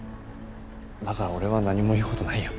だから俺は何も言う事ないよ。